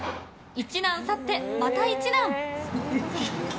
一難去ってまた一難。